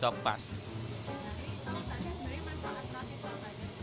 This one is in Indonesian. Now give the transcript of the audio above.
jadi tau taknya sendiri manfaat terasi itu apa aja